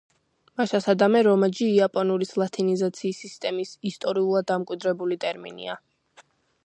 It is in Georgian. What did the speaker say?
მაშასადამე, რომაჯი იაპონურის ლათინიზაციის სისტემის ისტორიულად დამკვიდრებული ტერმინია.